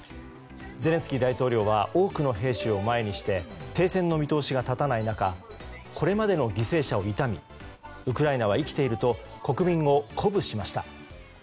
ゼレンスキー大統領は多くの兵士を前にして停戦の見通しが立たない中これまでの犠牲者を悼みウクライナは生きていると国民を鼓舞しました。